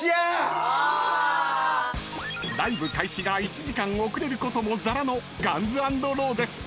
［ライブ開始が１時間遅れることもざらのガンズ・アンド・ローゼズ］